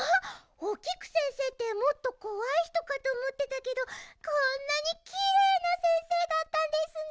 おきくせんせいってもっとこわいひとかとおもってたけどこんなにきれいなせんせいだったんですね！